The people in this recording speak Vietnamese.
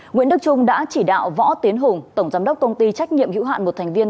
nguyễn đức trung đã chỉ đạo võ tiến hùng tổng giám đốc công ty trách nhiệm hữu hạn một thành viên